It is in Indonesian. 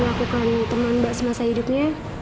kita harus melakukan teman mbak semasa hidupnya